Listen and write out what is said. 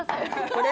これ？